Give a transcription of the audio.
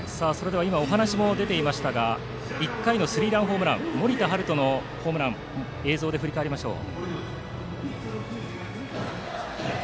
今、お話にも出ましたが１回のスリーランホームラン森田大翔のホームランを映像で振り返りましょう。